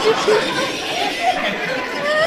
Hatua za kufuata kupika pilau la viazi lishe